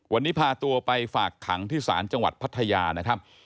วันนี้พาตัวไปฝากขังที่ศาลจังหวัดพัทยานะครับ